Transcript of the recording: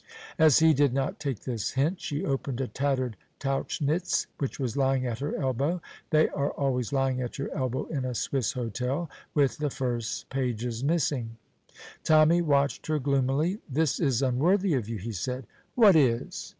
As he did not take this hint, she opened a tattered Tauchnitz which was lying at her elbow. They are always lying at your elbow in a Swiss hotel, with the first pages missing. Tommy watched her gloomily. "This is unworthy of you," he said. "What is?"